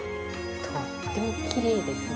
とってもきれいですね。